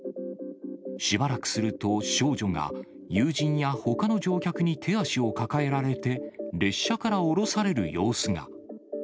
しばらくすると、少女が友人やほかの乗客に手足を抱えられて、列車から降ろされる様子が。